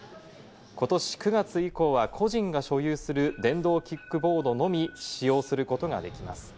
今年９月以降は個人が所有する電動キックボードのみ、使用することができます。